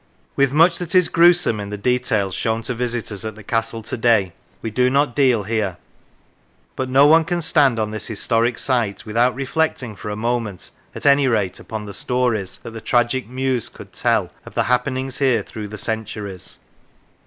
With much that is gruesome in the details shown to visitors to the Castle to day we do not deal here; but no one can stand on this historic site without reflecting, for a moment at any rate, upon the stories that the tragic Muse could tell of the happenings here through the centuries.